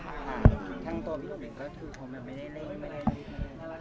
ทั้งตัวพี่หนุ่มเองก็คือเขาไม่ได้เล่นอะไรอย่างนี้ค่ะ